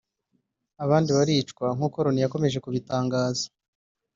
abandi baricwa nkuko Loni yakomeje kubitangaza